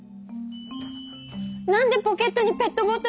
何でポケットにペットボトルが入ってるの？